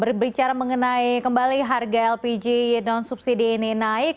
berbicara mengenai kembali harga lpg non subsidi ini naik